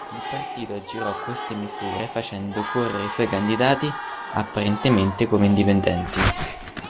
Il partito aggirò queste misure facendo correre i suoi candidati apparentemente come indipendenti.